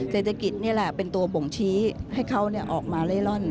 เศรษฐกิจนี่แหละเป็นตัวบ่งชี้ให้เขาออกมาเล่ร่อน